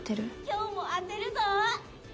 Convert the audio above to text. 「今日も当てるぞ！」。